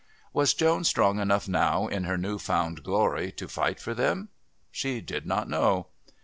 Was Joan strong enough now, in her new found glory, to fight for them? She did not know.